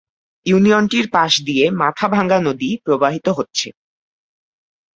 ইউনিয়নটির পাশ দিয়ে মাথাভাঙ্গা নদী প্রবাহিত হচ্ছে।